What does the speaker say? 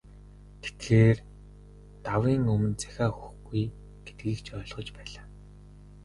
Тэгэхээр, давын өмнө захиа өгөхгүй гэдгийг ч ойлгож байлаа.